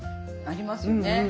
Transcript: ありますよね。